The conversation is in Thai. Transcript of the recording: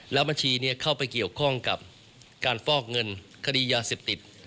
แล้วบัญชีนี้เข้าไปเกี่ยวข้องกับการฟอกเงินคดียาเสพติด